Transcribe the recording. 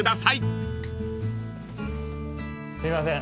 すいません